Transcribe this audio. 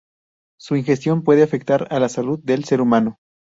Su ingestión puede afectar a la salud del ser humano.